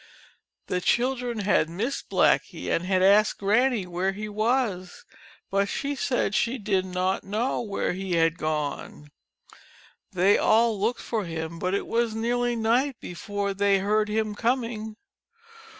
The children had missed Blackie and had asked Granny where he was, but she said she did not know where he had gone. They all looked for him but it was nearly night be fore they heard him coming.